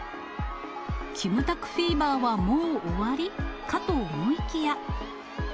キムタクフィーバーはもう終わり？かと思いきや。